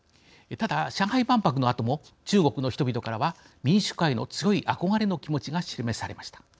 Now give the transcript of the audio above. ただ、上海万博のあとも中国の人々からは民主化への強い憧れの気持ちが示されました。